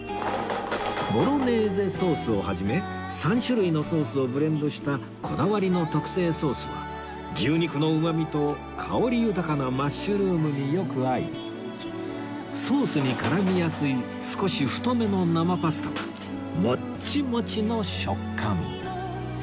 ボロネーゼソースを始め３種類のソースをブレンドしたこだわりの特製ソースは牛肉のうまみと香り豊かなマッシュルームによく合いソースに絡みやすい少し太めの生パスタはもっちもちの食感